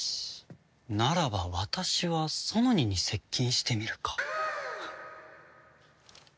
ならば私はソノニに接近してみるか。